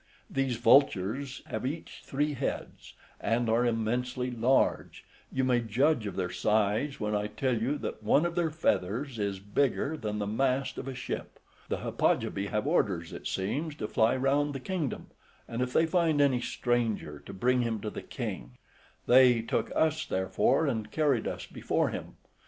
These vultures have each three heads, and are immensely large; you may judge of their size when I tell you that one of their feathers is bigger than the mast of a ship. The Hippogypi have orders, it seems, to fly round the kingdom, and if they find any stranger, to bring him to the king: they took us therefore, and carried us before him.